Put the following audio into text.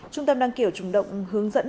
trung tâm đăng kiểm chủng động hướng dẫn